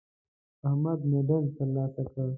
احمد مډال ترلاسه کړ.